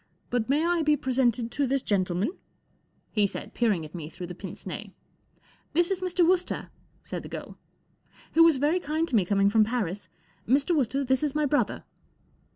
But may I be pre¬ sented to this gentleman ?" he said, peering at me through the pince nez. 44 This is Mr. Wooster," said the girl, 44 who was very kind to me coming from Paris. Mr. Wooster, this is my brother."